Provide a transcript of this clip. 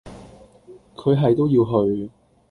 佢係都要去